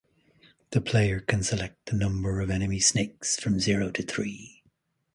The player can select the number of enemy snakes, from zero to three.